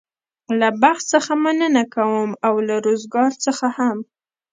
له بخت څخه مننه کوم او له روزګار څخه هم.